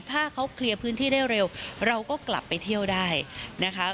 ถ้าเขาเคลียร์พื้นที่ได้เร็วเราก็กลับไปเที่ยวได้นะคะ